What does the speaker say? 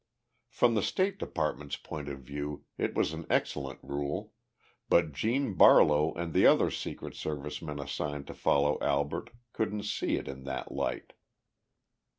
From the State Department's point of view it was an excellent rule, but Gene Barlow and the other Service men assigned to follow Albert couldn't see it in that light.